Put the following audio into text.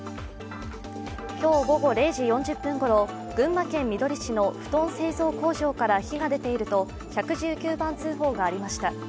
今日午後０時４０分頃、群馬県みどり市の布団製造工場から火が出ていると１１９番通報がありました。